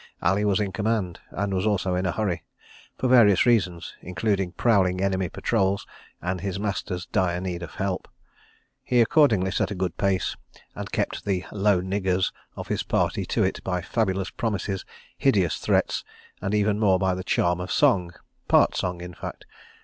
Ali was in command, and was also in a hurry, for various reasons, including prowling enemy patrols and his master's dire need of help. He accordingly set a good pace and kept the "low niggers" of his party to it by fabulous promises, hideous threats, and even more by the charm of song—part song in fact.